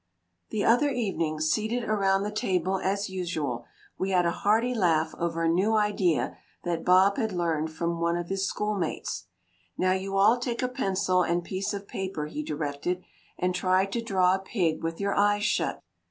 The other evening, seated around the table as usual, we had a hearty laugh over a new idea that Bob had learned from one of his school mates. "Now you all take a pencil and piece of paper," he directed, "and try to draw a pig with your eyes shut."